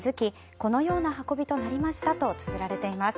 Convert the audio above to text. このような運びとなりましたとつづられています。